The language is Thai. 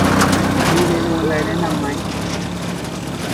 มีเมนูแนะนำไหม